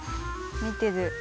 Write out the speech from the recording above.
見てる。